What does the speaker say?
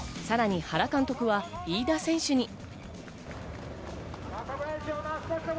さらに原監督は飯田選手に。